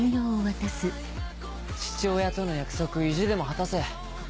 父親との約束意地でも果たせ。